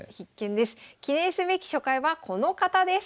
記念すべき初回はこの方です。